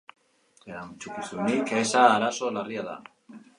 Erantzukizunik eza arazo larria da.